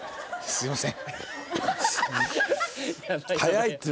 すいません。